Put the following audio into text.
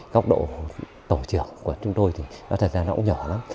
góc độ tổ trưởng của chúng tôi thì nó thật ra nó cũng nhỏ lắm